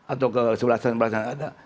atau kesebelasan sebelasan ada